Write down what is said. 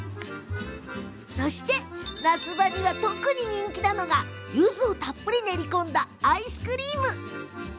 そして夏場には特に人気ゆずをたっぷり練り込んだアイスクリーム。